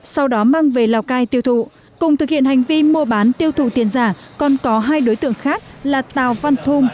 sau đó mang về lào cai tiêu thụ cùng thực hiện hành vi mua bán tiêu thụ tiền giả còn có hai đối tượng khác là tào văn thum